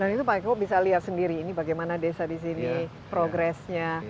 dan itu pak eko bisa lihat sendiri ini bagaimana desa di sini progressnya